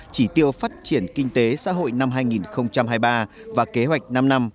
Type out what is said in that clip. chỉ tiêu phát triển kinh tế xã hội năm hai nghìn hai mươi ba và kế hoạch năm năm hai nghìn hai mươi một hai nghìn hai mươi năm